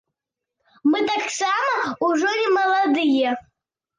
Мы таксама ўжо не маладыя.